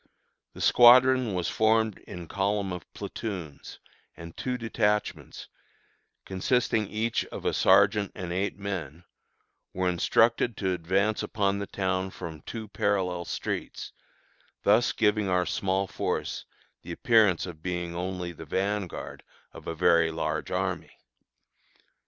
The squadron was formed in column of platoons, and two detachments, consisting each of a sergeant and eight men, were instructed to advance upon the town from two parallel streets, thus giving our small force the appearance of being only the vanguard of a very large army.